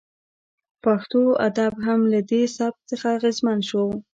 پښتو ادب هم له دې سبک څخه اغیزمن شو